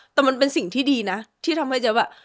แต่มันเป็นสิ่งที่ดีนะที่ทำให้เจ๊ว่า